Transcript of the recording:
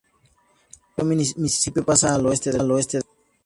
El río Misisipi pasa al oeste del condado.